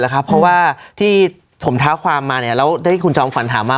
แหละครับเพราะว่าที่ผมท้าความมาเนี่ยแล้วได้ที่คุณจอมขวัญถามว่า